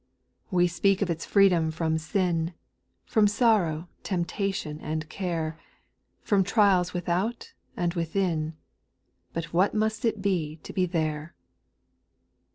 We speak of its freedom from sin, From sorrow, temptation, and care, From trials without and within — But what must it be to be there 1 6.